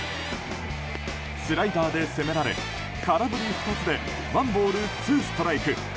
スライダーで攻められ空振り２つでワンボール、ツーストライク。